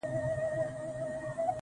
ځوان خپل څادر پر سر کړ,